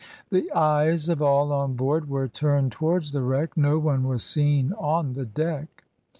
The eyes of all on board were turned towards the wreck. No one was seen on the deck.